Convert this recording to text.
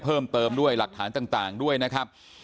เพิ่มเติมด้วยหลักฐานต่างด้วยนะครับ